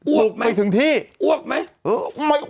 อ้วกมั้ยอ้วกมั้ย